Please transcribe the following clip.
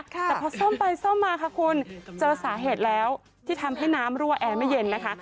แต่พอซ่อมไปซ่อมมาค่ะคุณเจอสาเหตุแล้วที่ทำให้น้ำรั่วแอร์ไม่เย็นนะคะ